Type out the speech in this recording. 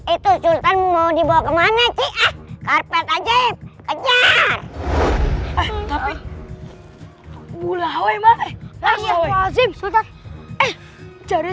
itu sultan mau dibawa kemana sih ah karpet ajaib kejar tapi hai bulawai mp tiga jadinya